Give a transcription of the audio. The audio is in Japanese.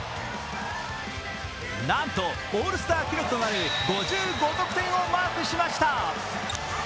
なんとオールスター記録となる５５得点をマークしました。